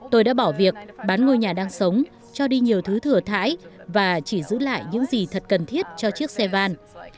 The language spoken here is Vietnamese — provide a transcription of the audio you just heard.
tôi đã bỏ việc bán ngôi nhà đang sống cho đi nhiều thứ thừa thái và chỉ giữ lại những gì thật cần thiết cho chiếc xe van